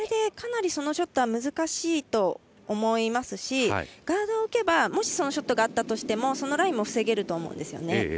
かなりそのショットは難しいと思いますしガードを置けば、もしそのショットがあったとしてもそのラインも防げると思うんです。